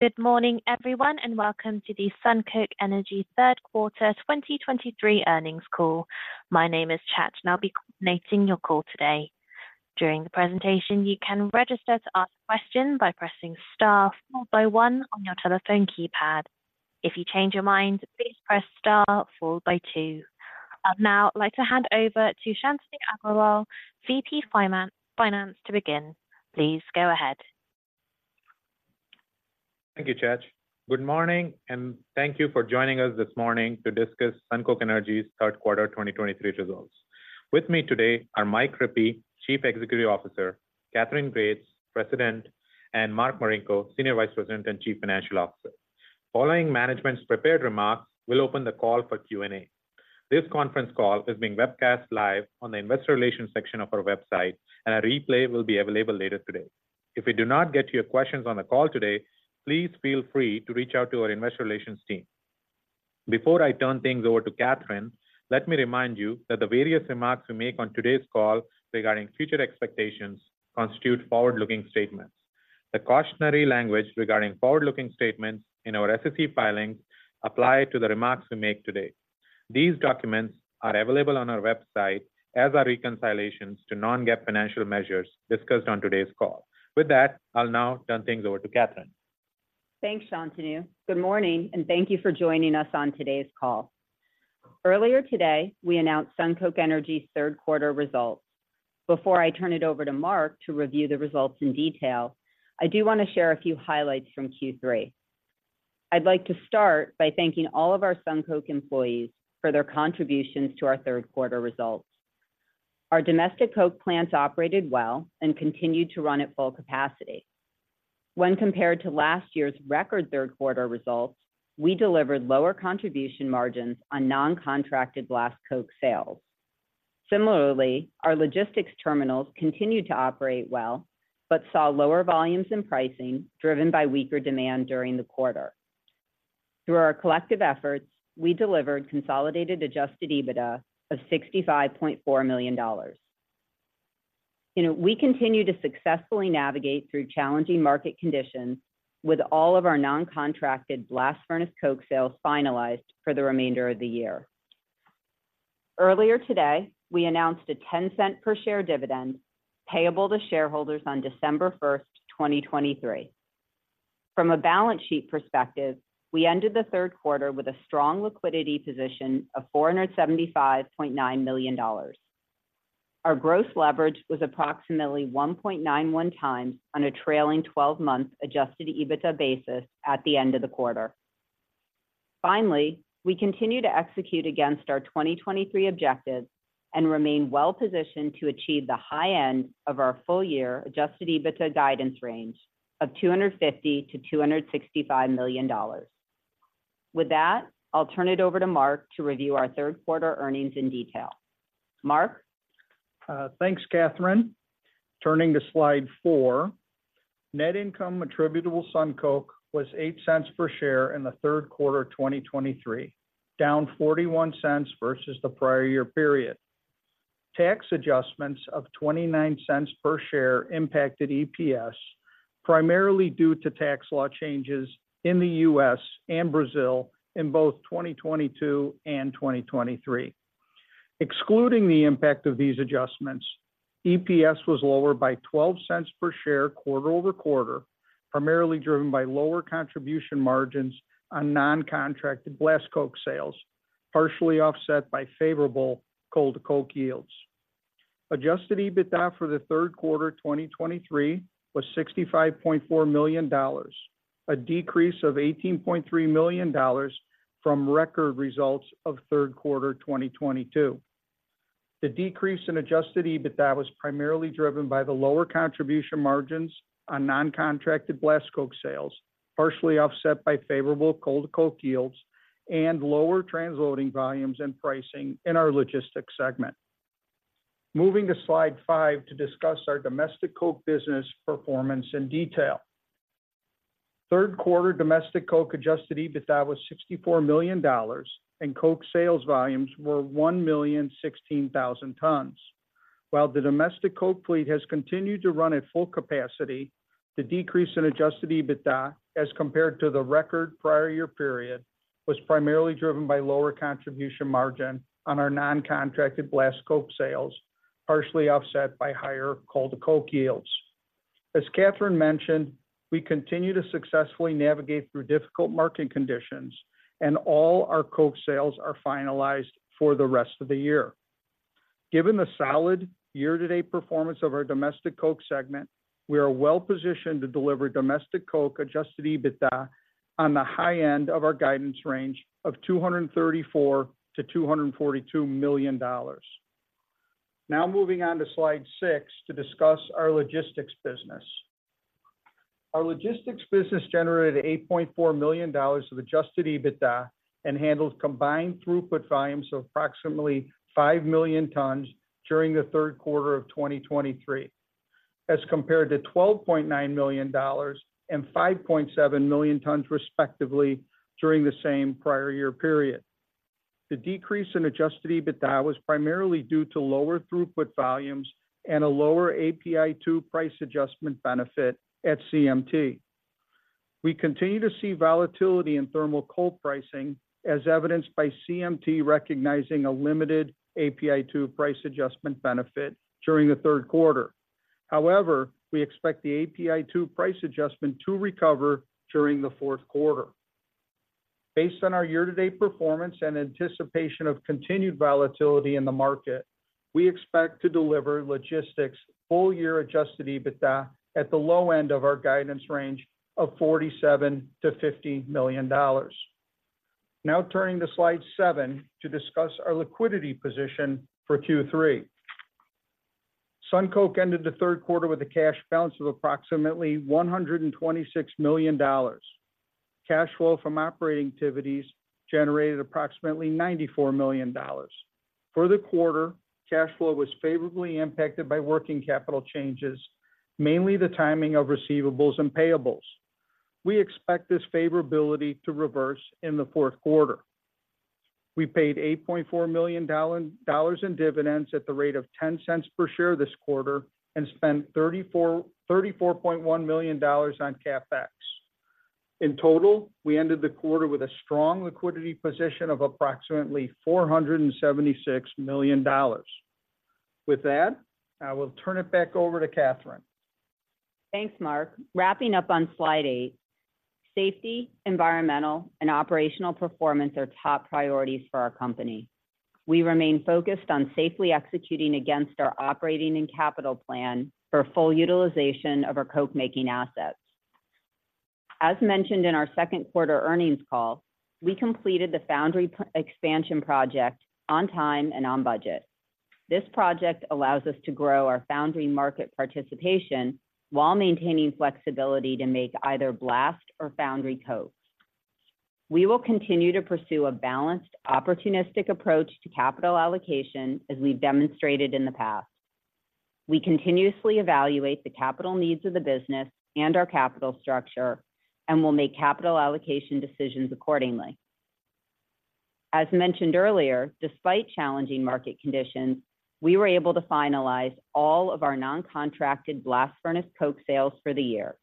Good morning, everyone, and welcome to the SunCoke Energy Third Quarter 2023 Earnings Call. My name is Chad, and I'll be coordinating your call today. During the presentation, you can register to ask a question by pressing star followed by one on your telephone keypad. If you change your mind, please press star followed by two. I'd now like to hand over to Shantanu Agrawal, VP Finance, Finance, to begin. Please go ahead. Thank you, Chad. Good morning, and thank you for joining us this morning to discuss SunCoke Energy's third quarter 2023 results. With me today are Mike Rippey, Chief Executive Officer, Katherine Gates, President, and Mark Marinko, Senior Vice President and Chief Financial Officer. Following management's prepared remarks, we'll open the call for Q&A. This conference call is being webcast live on the investor relations section of our website, and a replay will be available later today. If we do not get to your questions on the call today, please feel free to reach out to our investor relations team. Before I turn things over to Katherine, let me remind you that the various remarks we make on today's call regarding future expectations constitute forward-looking statements. The cautionary language regarding forward-looking statements in our SEC filings apply to the remarks we make today. These documents are available on our website as are reconciliations to non-GAAP financial measures discussed on today's call. With that, I'll now turn things over to Katherine. Thanks, Shantanu. Good morning, and thank you for joining us on today's call. Earlier today, we announced SunCoke Energy's third quarter results. Before I turn it over to Mark to review the results in detail, I do want to share a few highlights from Q3. I'd like to start by thanking all of our SunCoke employees for their contributions to our third quarter results. Our Domestic Coke plants operated well and continued to run at full capacity. When compared to last year's record third quarter results, we delivered lower contribution margins on non-contracted blast coke sales. Similarly, our logistics terminals continued to operate well but saw lower volumes in pricing, driven by weaker demand during the quarter. Through our collective efforts, we delivered consolidated adjusted EBITDA of $65.4 million. You know, we continue to successfully navigate through challenging market conditions with all of our non-contracted blast furnace coke sales finalized for the remainder of the year. Earlier today, we announced a $0.10 per share dividend payable to shareholders on December 1st, 2023. From a balance sheet perspective, we ended the third quarter with a strong liquidity position of $475.9 million. Our gross leverage was approximately 1.91x on a trailing 12-month adjusted EBITDA basis at the end of the quarter. Finally, we continue to execute against our 2023 objectives and remain well positioned to achieve the high end of our full-year adjusted EBITDA guidance range of $250 million-$265 million. With that, I'll turn it over to Mark to review our third quarter earnings in detail. Mark? Thanks, Katherine. Turning to slide four, net income attributable to SunCoke was $0.08 per share in the third quarter of 2023, down $0.41 versus the prior year period. Tax adjustments of $0.29 per share impacted EPS, primarily due to tax law changes in the U.S. and Brazil in both 2022 and 2023. Excluding the impact of these adjustments, EPS was lower by $0.12 per share quarter-over-quarter, primarily driven by lower contribution margins on non-contracted blast coke sales, partially offset by favorable coal-to-coke yields. Adjusted EBITDA for the third quarter 2023 was $65.4 million, a decrease of $18.3 million from record results of third quarter 2022. The decrease in adjusted EBITDA was primarily driven by the lower contribution margins on non-contracted blast coke sales, partially offset by favorable coal-to-coke yields and lower transloading volumes and pricing in our Logistics segment. Moving to slide five to discuss our Domestic Coke business performance in detail. Third quarter Domestic Coke adjusted EBITDA was $64 million, and coke sales volumes were 1,016,000 tons. While the Domestic Coke fleet has continued to run at full capacity, the decrease in adjusted EBITDA as compared to the record prior year period was primarily driven by lower contribution margin on our non-contracted blast coke sales, partially offset by higher coal-to-coke yields. As Katherine mentioned, we continue to successfully navigate through difficult market conditions, and all our coke sales are finalized for the rest of the year. Given the solid year-to-date performance of our Domestic Coke segment, we are well positioned to deliver Domestic Coke adjusted EBITDA on the high end of our guidance range of $234 million-$242 million. Now moving on to slide six to discuss our Logistics business. Our Logistics business generated $8.4 million of adjusted EBITDA and handled combined throughput volumes of approximately 5 million tons during the third quarter of 2023, as compared to $12.9 million and 5.7 million tons, respectively, during the same prior year period. The decrease in adjusted EBITDA was primarily due to lower throughput volumes and a lower API 2 price adjustment benefit at CMT. We continue to see volatility in thermal coal pricing, as evidenced by CMT recognizing a limited API 2 price adjustment benefit during the third quarter. However, we expect the API 2 price adjustment to recover during the fourth quarter. Based on our year-to-date performance and anticipation of continued volatility in the market, we expect to deliver Logistics full-year adjusted EBITDA at the low end of our guidance range of $47 million-$50 million. Now turning to slide seven to discuss our liquidity position for Q3. SunCoke ended the third quarter with a cash balance of approximately $126 million. Cash flow from operating activities generated approximately $94 million. For the quarter, cash flow was favorably impacted by working capital changes, mainly the timing of receivables and payables. We expect this favorability to reverse in the fourth quarter. We paid $8.4 million in dividends at the rate of $0.10 per share this quarter and spent $34.1 million on CapEx. In total, we ended the quarter with a strong liquidity position of approximately $476 million. With that, I will turn it back over to Katherine. Thanks, Mark. Wrapping up on slide eight, safety, environmental, and operational performance are top priorities for our company. We remain focused on safely executing against our operating and capital plan for full utilization of our coke-making assets. As mentioned in our second quarter earnings call, we completed the foundry expansion project on time and on budget. This project allows us to grow our foundry market participation while maintaining flexibility to make either blast or foundry coke. We will continue to pursue a balanced, opportunistic approach to capital allocation, as we've demonstrated in the past. We continuously evaluate the capital needs of the business and our capital structure, and we'll make capital allocation decisions accordingly. As mentioned earlier, despite challenging market conditions, we were able to finalize all of our non-contracted blast furnace coke sales for the year.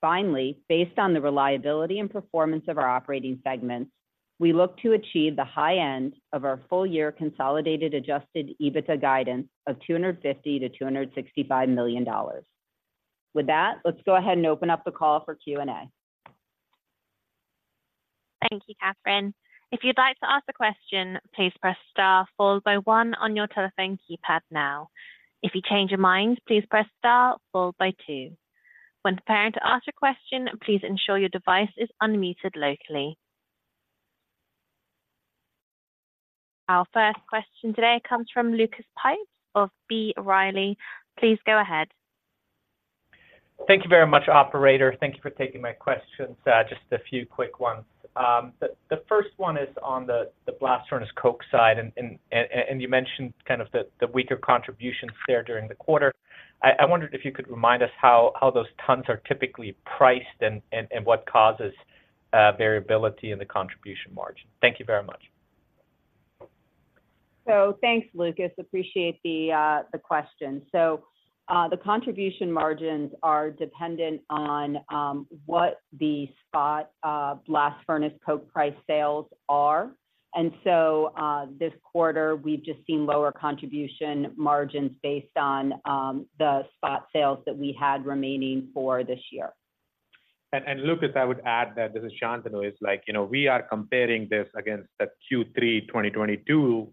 Finally, based on the reliability and performance of our operating segments, we look to achieve the high end of our full-year consolidated adjusted EBITDA guidance of $250 million-$265 million. With that, let's go ahead and open up the call for Q&A. Thank you, Katherine. If you'd like to ask a question, please press star followed by one on your telephone keypad now. If you change your mind, please press star followed by two. When preparing to ask your question, please ensure your device is unmuted locally. Our first question today comes from Lucas Pipes of B. Riley. Please go ahead. Thank you very much, operator. Thank you for taking my questions, just a few quick ones. The first one is on the blast furnace coke side, and you mentioned kind of the weaker contributions there during the quarter. I wondered if you could remind us how those tons are typically priced and what causes variability in the contribution margin. Thank you very much. Thanks, Lucas. Appreciate the question. The contribution margins are dependent on what the spot blast furnace coke price sales are. This quarter, we've just seen lower contribution margins based on the spot sales that we had remaining for this year. And Lucas, I would add that—this is Shantanu—is like, you know, we are comparing this against the Q3 2022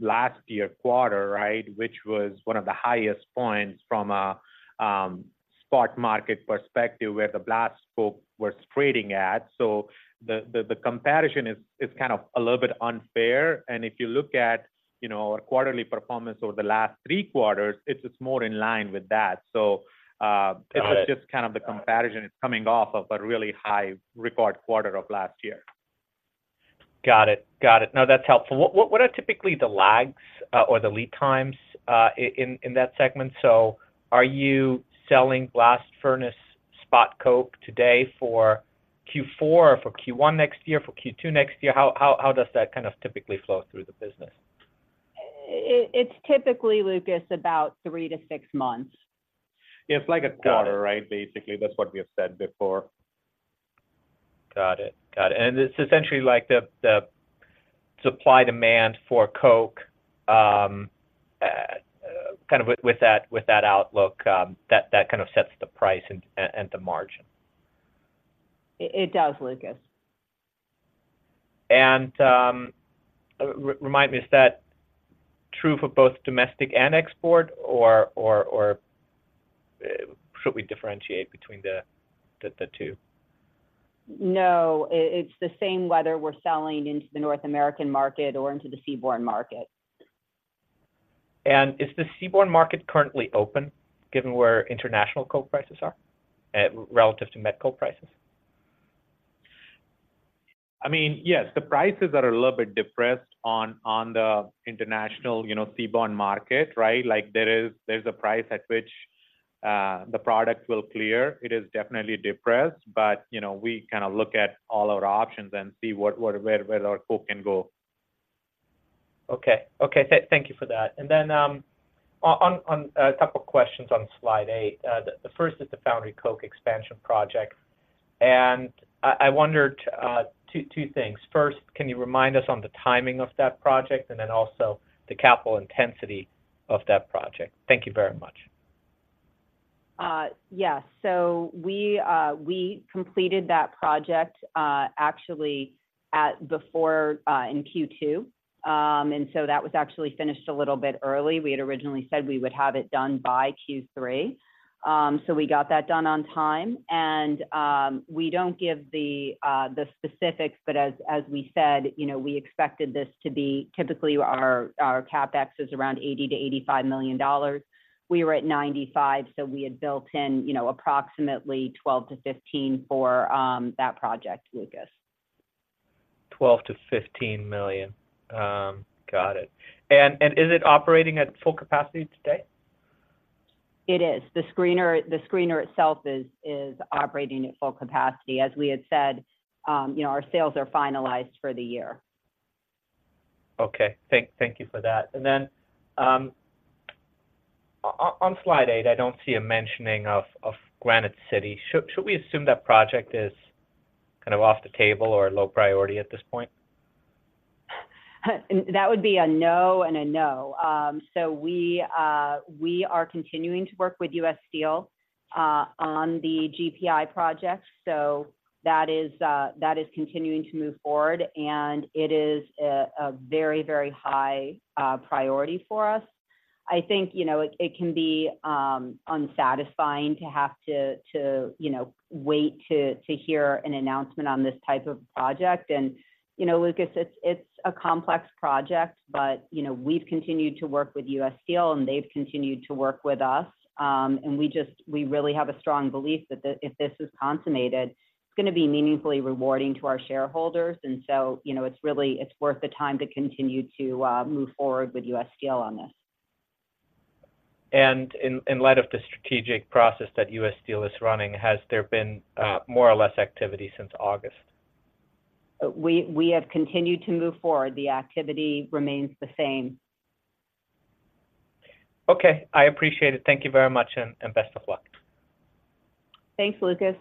last year quarter, right? Which was one of the highest points from a spot market perspective, where the blast coke was trading at. So the comparison is kind of a little bit unfair. And if you look at, you know, our quarterly performance over the last three quarters, it's just more in line with that. So, Got it... it's just kind of the comparison is coming off of a really high record quarter of last year. Got it. Got it. No, that's helpful. What are typically the lags or the lead times in that segment? So are you selling blast furnace spot coke today for Q4, or for Q1 next year, for Q2 next year? How does that kind of typically flow through the business? It's typically, Lucas, about three to six months. It's like a quarter- Got it... right? Basically, that's what we have said before. Got it. Got it. And it's essentially like the supply and demand for coke, kind of with that outlook, that kind of sets the price and the margin. It does, Lucas. Remind me, is that true for both domestic and export, or should we differentiate between the two? No, it's the same whether we're selling into the North American market or into the seaborne market. Is the seaborne market currently open, given where international coke prices are, relative to met coke prices? I mean, yes, the prices are a little bit depressed on, on the international, you know, seaborne market, right? Like, there is, there's a price at which the product will clear. It is definitely depressed, but, you know, we kind of look at all our options and see what, what, where, where our coke can go. Okay. Okay, thank you for that. And then, on a couple of questions on slide eight. The first is the foundry coke expansion project, and I wondered two things. First, can you remind us on the timing of that project, and then also the capital intensity of that project? Thank you very much. Yes. So we completed that project actually at before in Q2. And so that was actually finished a little bit early. We had originally said we would have it done by Q3. So we got that done on time. And we don't give the specifics, but as we said, you know, we expected this to be... Typically, our CapEx is around $80 million-$85 million. We were at $95 million, so we had built in, you know, approximately 12-15 for that project, Lucas. 12-15 million? Got it. And is it operating at full capacity today? It is. The screener, the screener itself is operating at full capacity. As we had said, you know, our sales are finalized for the year. Okay. Thank you for that. And then, on slide eight, I don't see a mention of Granite City. Should we assume that project is kind of off the table or low priority at this point? That would be a no and a no. So we are continuing to work with U.S. Steel on the GPI project. So that is continuing to move forward, and it is a very, very high priority for us. I think, you know, it can be unsatisfying to have to you know, wait to hear an announcement on this type of project. And, you know, Lucas, it's a complex project, but, you know, we've continued to work with U.S. Steel, and they've continued to work with us. And we just, we really have a strong belief that if this is consummated, it's gonna be meaningfully rewarding to our shareholders. And so, you know, it's really, it's worth the time to continue to move forward with U.S. Steel on this. In light of the strategic process that U.S. Steel is running, has there been more or less activity since August? We have continued to move forward. The activity remains the same. Okay, I appreciate it. Thank you very much, and best of luck. Thanks, Lucas.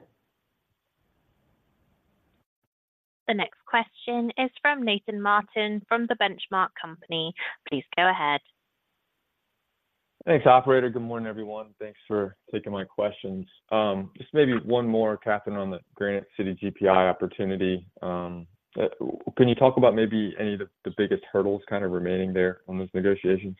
The next question is from Nathan Martin, from The Benchmark Company. Please go ahead. Thanks, operator. Good morning, everyone. Thanks for taking my questions. Just maybe one more, Katherine, on the Granite City GPI opportunity. Can you talk about maybe any of the, the biggest hurdles kind of remaining there on those negotiations?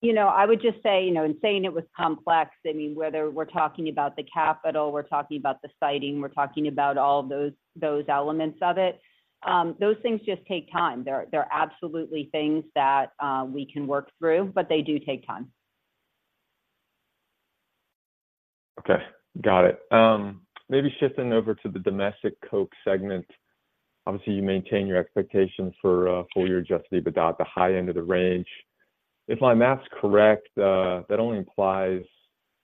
You know, I would just say, you know, in saying it was complex, I mean, whether we're talking about the capital, we're talking about the siting, we're talking about all of those elements of it, those things just take time. They're absolutely things that we can work through, but they do take time. Okay, got it. Maybe shifting over to the Domestic Coke segment. Obviously, you maintain your expectations for full-year adjusted EBITDA, the high end of the range. If my math's correct, that only implies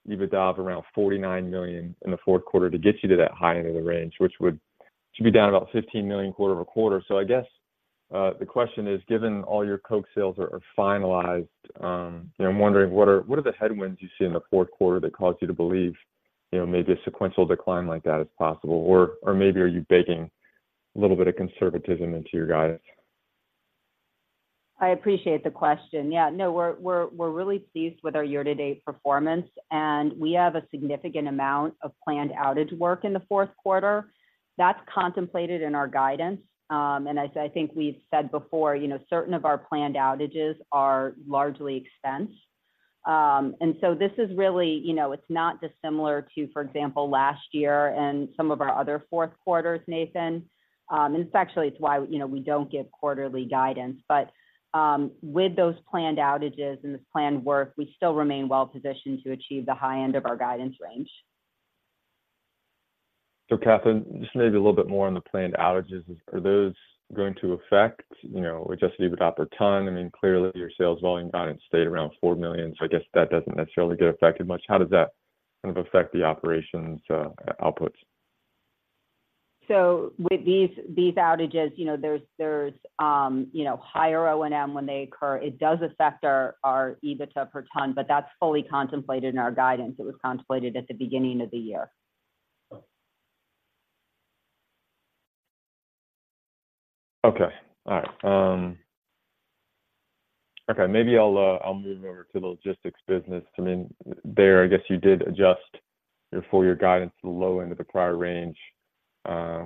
EBITDA of around $49 million in the fourth quarter to get you to that high end of the range, which would, should be down about $15 million quarter-over-quarter. So I guess the question is, given all your coke sales are finalized, I'm wondering, what are the headwinds you see in the fourth quarter that cause you to believe, you know, maybe a sequential decline like that is possible? Or maybe are you baking a little bit of conservatism into your guidance? I appreciate the question. Yeah, no, we're really pleased with our year-to-date performance, and we have a significant amount of planned outage work in the fourth quarter. That's contemplated in our guidance. And I think we've said before, you know, certain of our planned outages are largely expensed. And so this is really, you know, it's not dissimilar to, for example, last year and some of our other fourth quarters, Nathan. And it's actually, it's why, you know, we don't give quarterly guidance. But with those planned outages and the planned work, we still remain well positioned to achieve the high end of our guidance range. Katherine, just maybe a little bit more on the planned outages. Are those going to affect, you know, or just EBITDA per ton? I mean, clearly, your sales volume guidance stayed around 4 million, so I guess that doesn't necessarily get affected much. How does that kind of affect the operations, outputs? With these outages, you know, there's higher O&M when they occur. It does affect our EBITDA per ton, but that's fully contemplated in our guidance. It was contemplated at the beginning of the year. Okay. All right. Okay, maybe I'll move over to the Logistics business. I mean, there, I guess you did adjust your full year guidance to the low end of the prior range,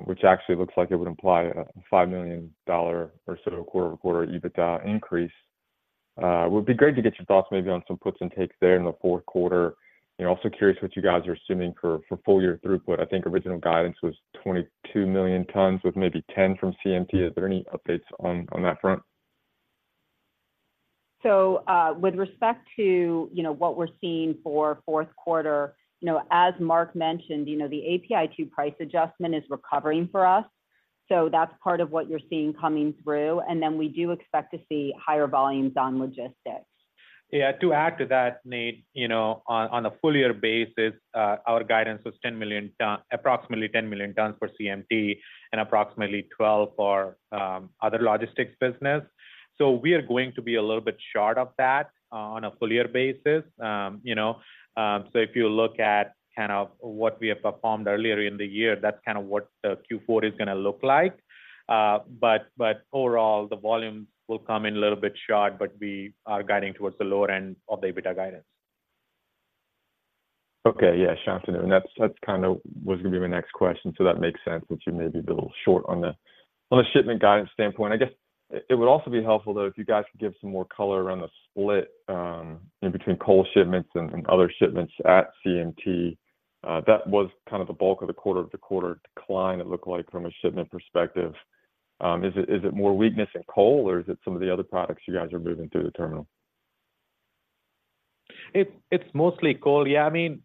which actually looks like it would imply a $5 million or so quarter-over-quarter EBITDA increase. It would be great to get your thoughts maybe on some puts and takes there in the fourth quarter. Also curious what you guys are assuming for full year throughput. I think original guidance was 22 million tons, with maybe 10 from CMT. Is there any updates on that front? With respect to, you know, what we're seeing for fourth quarter, you know, as Mark mentioned, you know, the API 2 price adjustment is recovering for us. That's part of what you're seeing coming through, and then we do expect to see higher volumes on Logistics. Yeah, to add to that, Nate, you know, on a full year basis, our guidance was 10 million tons—approximately 10 million tons for CMT and approximately 12 for other Logistics business. So we are going to be a little bit short of that on a full year basis. You know, so if you look at kind of what we have performed earlier in the year, that's kind of what the Q4 is gonna look like. But overall, the volumes will come in a little bit short, but we are guiding towards the lower end of the EBITDA guidance. Okay. Yeah, Shantanu, that's kind of was gonna be my next question. So that makes sense that you may be a little short on the shipment guidance standpoint. I guess it would also be helpful, though, if you guys could give some more color around the split in between coal shipments and other shipments at CMT. That was kind of the bulk of the quarter-over-quarter decline it looked like from a shipment perspective. Is it more weakness in coal, or is it some of the other products you guys are moving through the terminal? It's mostly coal. Yeah, I mean,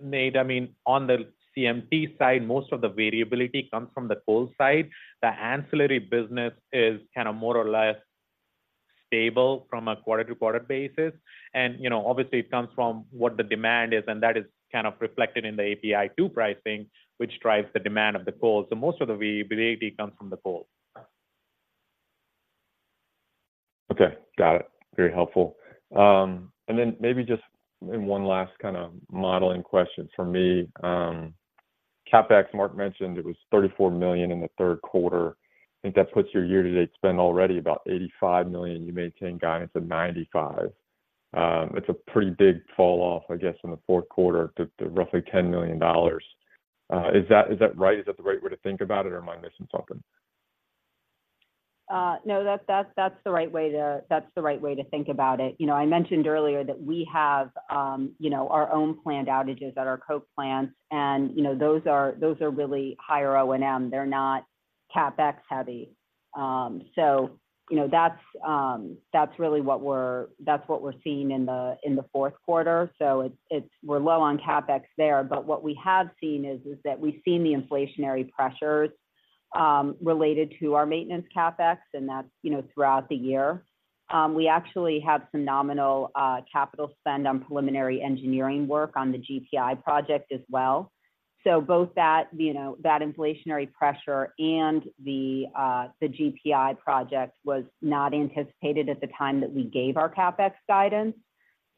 Nate, I mean, on the CMT side, most of the variability comes from the coal side. The ancillary business is kind of more or less stable from a quarter-to-quarter basis. And, you know, obviously, it comes from what the demand is, and that is kind of reflected in the API 2 pricing, which drives the demand of the coal. So most of the variability comes from the coal. Okay. Got it. Very helpful. And then maybe just in one last kind of modeling question for me. CapEx, Mark mentioned it was $34 million in the third quarter. I think that puts your year-to-date spend already about $85 million. You maintain guidance of $95 million. It's a pretty big fall off, I guess, in the fourth quarter to roughly $10 million. Is that right? Is that the right way to think about it, or am I missing something? No, that's the right way to think about it. You know, I mentioned earlier that we have, you know, our own planned outages at our coke plants, and, you know, those are really higher O&M. They're not CapEx heavy. So, you know, that's really what we're seeing in the fourth quarter. So it's-- we're low on CapEx there. But what we have seen is that we've seen the inflationary pressures related to our maintenance CapEx, and that's, you know, throughout the year. We actually have some nominal capital spend on preliminary engineering work on the GPI Project as well. So both that, you know, that inflationary pressure and the GPI Project was not anticipated at the time that we gave our CapEx guidance.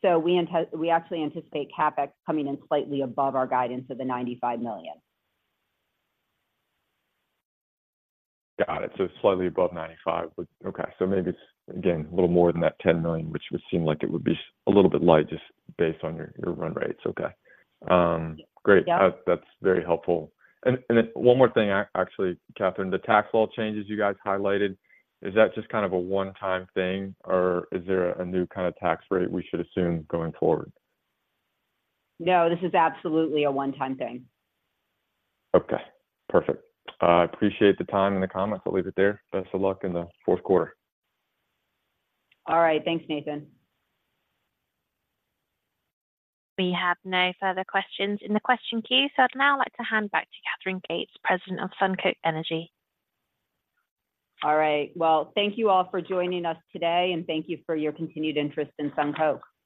So we actually anticipate CapEx coming in slightly above our guidance of $95 million. Got it. So slightly above 95, but... Okay, so maybe it's, again, a little more than that $10 million, which would seem like it would be a little bit light just based on your run rates. Okay. Great. Yeah. That's very helpful. And then one more thing, actually, Katherine. The tax law changes you guys highlighted, is that just kind of a one-time thing, or is there a new kind of tax rate we should assume going forward? No, this is absolutely a one-time thing. Okay, perfect. I appreciate the time and the comments. I'll leave it there. Best of luck in the fourth quarter. All right. Thanks, Nathan. We have no further questions in the question queue, so I'd now like to hand back to Katherine Gates, President of SunCoke Energy. All right. Well, thank you all for joining us today, and thank you for your continued interest in SunCoke.